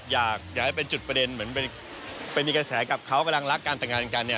อยากให้เป็นจุดประเด็นเหมือนไปมีกระแสกับเขากำลังรักการแต่งงานกันเนี่ย